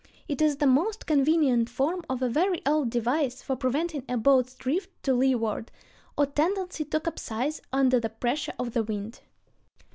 It is the most convenient form of a very old device for preventing a boat's drift to leeward, or tendency to capsize under the pressure of the wind.